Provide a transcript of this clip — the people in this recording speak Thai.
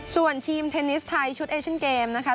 ส่วนทีมเทนนิสไทยชุดเอเชียนเกมนะคะ